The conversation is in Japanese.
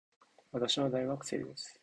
私は大学生です。